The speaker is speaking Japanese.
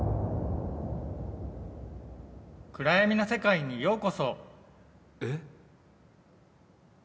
暗闇の世界にようこそ！え？